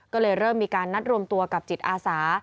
ก็เลยเริ่มมีการนัดรวมตัวกับจิตอาสา